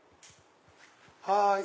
はい。